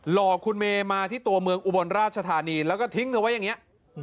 หลอกคุณเมมาที่ตัวเมืองอุบลราชธานีแล้วก็ทิ้งเธอไว้อย่างนี้